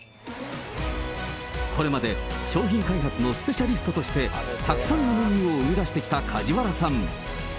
これまで商品開発のスペシャリストとして、たくさんのメニューを生み出してきた梶原さん。